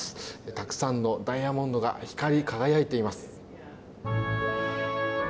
たくさんのダイヤモンドが光り輝いています。